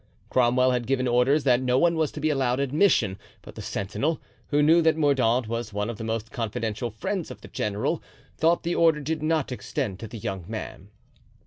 Cromwell had given orders that no one was to be allowed admission; but the sentinel, who knew that Mordaunt was one of the most confidential friends of the general, thought the order did not extend to the young man.